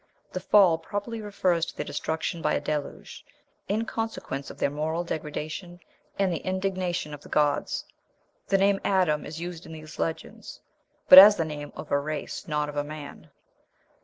The "fall" probably refers to their destruction by a deluge, in consequence of their moral degradation and the indignation of the gods. The name Adam is used in these legends, but as the name of a race, not of a man.